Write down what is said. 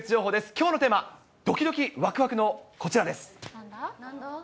きょうのテーマ、どきどきわくわくのこちらです。